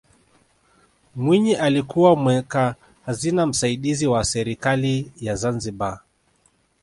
mwinyi alikuwa mweka hazina msaidizi wa serikali ya zanzibar